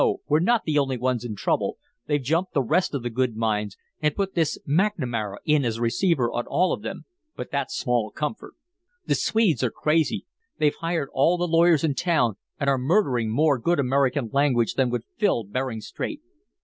We're not the only ones in trouble; they've jumped the rest of the good mines and put this McNamara in as receiver on all of them, but that's small comfort. The Swedes are crazy; they've hired all the lawyers in town, and are murdering more good American language than would fill Bering Strait.